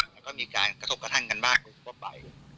มันก็มีการกระทบกระทั่งกันบ้างกว่าใบ